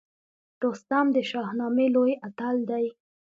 رستم د شاهنامې لوی اتل دی